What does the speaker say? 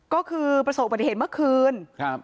ก็คือประสบอุบัติเหตุเมื่อคืนครับ